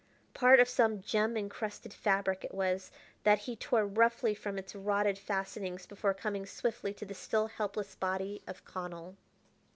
Part of some gem incrusted fabric, it was, that he tore roughly from its rotted fastenings before coming swiftly to the still helpless body of Connell.